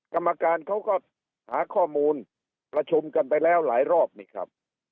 กรรมการเขาก็หาข้อมูลประชุมกันไปแล้วหลายรอบนี่ครับ